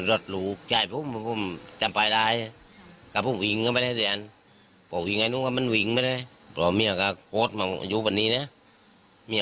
จัดลูกชายพวกมันหุ้มซ้ำภายรายก็พวกมันวิ้งก็ปร้อนให้เตียน